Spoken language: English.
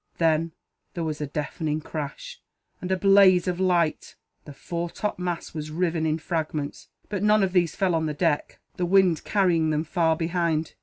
Then there was a deafening crash, and a blaze of light. The fore top mast was riven in fragments, but none of these fell on the deck, the wind carrying them far ahead.